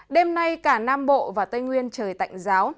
đêm nay cả nam bộ và tây nguyên trời tạnh giáo